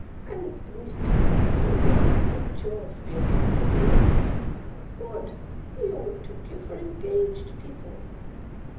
"And Mr. Wildover is not your fianct? How odd ! We all took you for engaged people."